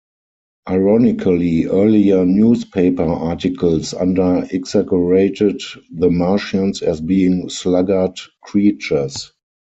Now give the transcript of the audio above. Ironically, earlier newspaper articles under-exaggerated the Martians as being "sluggard creatures".